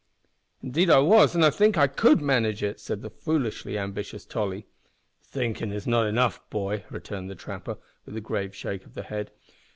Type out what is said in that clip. "Indeed I was, and I think I could manage it," said the foolishly ambitious Tolly. "Thinkin' is not enough, boy," returned the trapper, with a grave shake of the head.